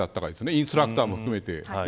インストラクターも含めて。